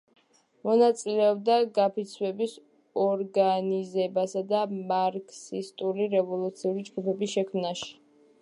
მონაწილეობდა გაფიცვების ორგანიზებასა და მარქსისტული რევოლუციური ჯგუფების შექმნაში.